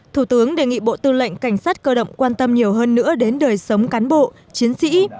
thủ tướng đề nghị bộ tư lệnh cảnh sát cơ động quan tâm nhiều hơn nữa đến đời sống cán bộ chiến sĩ